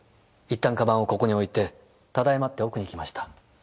一旦鞄をここに置いて「ただいま」って奥に行きました。